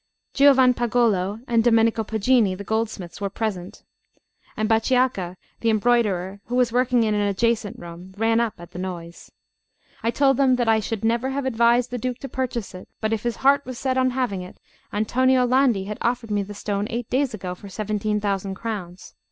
Giovanpagolo and Domenico Poggini, the goldsmiths, were present; and Bachiacca, the embroiderer, who was working in an adjacent room, ran up at the noise. I told them that I should never have advised the Duke to purchase it; but if his heart was set on having it, Antonio Landi had offered me the stone eight days ago for 17,000 crowns.